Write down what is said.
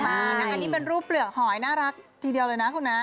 อันนี้เป็นรูปเปลือกหอยน่ารักทีเดียวเลยนะคุณนะ